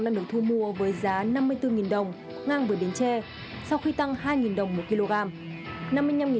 cụ thể lận hơi tại tỉnh bắc giang và vĩnh phúc đang được thu mua với giá năm mươi bốn đồng ngang với biến tre sau khi tăng hai đồng một kg